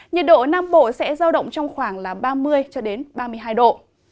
nhiệt độ nam bộ sẽ giao động trong khoảng ba mươi ba mươi hai độ